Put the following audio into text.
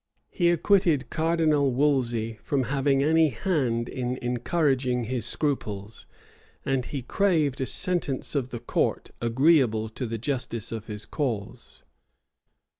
He acquitted Cardinal Wolsey from having any hand in encouraging his scruples; and he craved a sentence of the court agreeable to the justice of his cause.